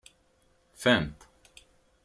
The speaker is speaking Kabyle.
Fant.